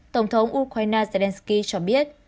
tổng thống ukraine zelenskyy cho biết